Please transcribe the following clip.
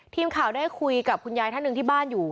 ทีมข่าวได้คุยกับคุณยายท่านหนึ่งที่บ้านอยู่